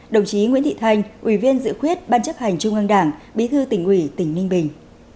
đồng chí nguyễn thị thanh ủy viên dự khuyết ban chấp hành trung ương đảng bí thư tỉnh ủy tỉnh ninh bình